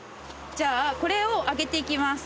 じゃあこれを揚げていきます。